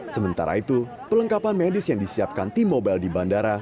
sementara itu pelengkapan medis yang disiapkan tim mobile di bandara